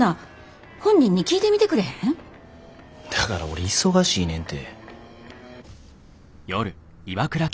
だから俺忙しいねんて。